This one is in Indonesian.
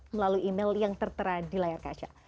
melalui email yang tertera di layar kaca